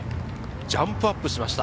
ジャンプアップしました。